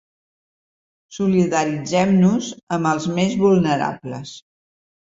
Solidaritzem-nos amb els més vulnerables.